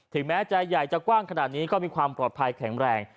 แม้ใจใหญ่จะกว้างขนาดนี้ก็มีความปลอดภัยแข็งแรง